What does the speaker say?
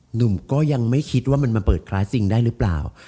หนุ่มก็ยังไม่คิดว่ามันมาเปิดคลาสจริงได้หรือเปล่า